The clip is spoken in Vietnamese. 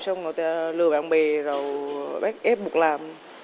xong rồi lừa bạn bèo rồi bác ép buộc làm